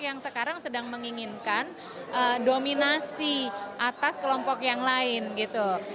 yang sekarang sedang menginginkan dominasi atas kelompok yang lain gitu